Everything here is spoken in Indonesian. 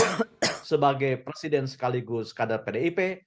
joko widodo sebelumnya sebagai presiden sekaligus kader pdip